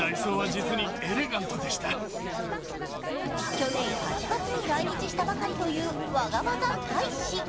去年８月に来日したばかりというワガバザ大使。